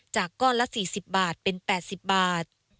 ก้อนละ๔๐บาทเป็น๘๐บาท